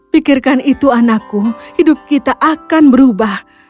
pikirkan itu anakku hidup kita akan berubah